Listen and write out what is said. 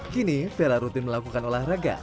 kini vela rutin melakukan olahraga